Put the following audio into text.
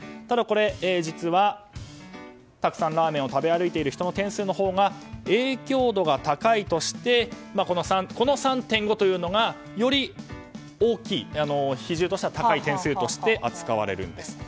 ただ、これは実はたくさんラーメンを食べ歩いている人の点数のほうが影響度が高いとしてこの３．５というのがより大きい、比重としては高い点数として扱われるんです。